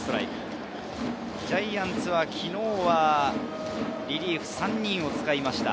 ジャイアンツは昨日は、リリーフ３人を使いました。